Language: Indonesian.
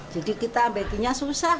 jadi kita ambilnya susah